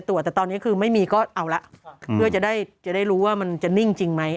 แต่ตอนนี้คือไม่มีก็เอาละเพื่อจะได้จะได้รู้ว่ามันจะนิ่งจริงไหม